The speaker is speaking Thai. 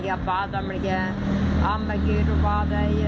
กี่ต้องมากี่ต้องมากี่ต้องมาเลย